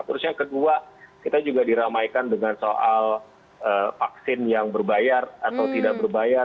terus yang kedua kita juga diramaikan dengan soal vaksin yang berbayar atau tidak berbayar